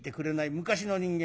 昔の人間